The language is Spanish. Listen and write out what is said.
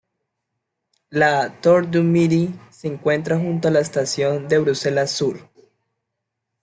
La "Tour du Midi" se encuentra junto a la Estación de Bruselas Sur.